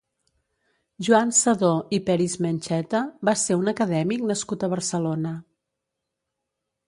Joan Sedó i Peris-Mencheta va ser un acadèmic nascut a Barcelona.